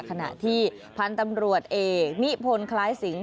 ขณะที่พันธุ์ตำรวจเอกนิพนธ์คล้ายสิง